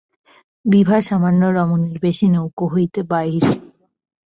বিভা সামান্য রমণীর বেশে নৌকা হইতে বাহির হইল।